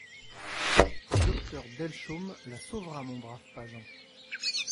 «Le docteur Delchaume la sauvera, mon brave Pageant.